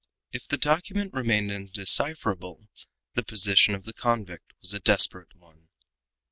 If the document remained indecipherable, the position of the convict was a desperate one.